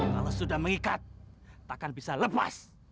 kalau sudah mengikat tak akan bisa lepas